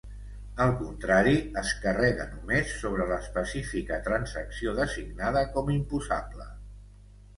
Al contrari, es carrega només sobre l'específica transacció designada com imposable.